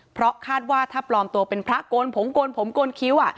เพราะคาดว่าถ้าปลอมตัวเป็นพระโกนผงโกนผมโกนคิ้ว